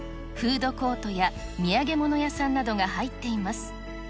フードコートや土産物屋さんなどが入っています。